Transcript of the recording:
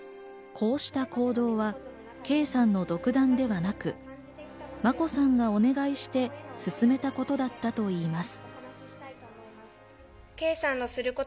こうした行動は圭さんの独断ではなく、眞子さんがお願いして進めたことだったといいます。